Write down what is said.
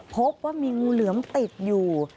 พบว่ามีงูเหลือมติดอยู่